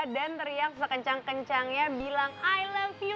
dan teriak sekencang kencangnya bilang i love you ibu